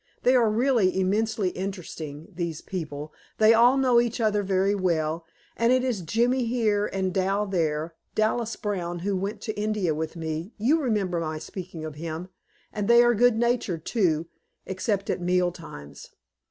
They are really immensely interesting, these people; they all know each other very well, and it is "Jimmy" here, and "Dal" there Dallas Brown, who went to India with me, you remember my speaking of him and they are good natured, too, except at meal times.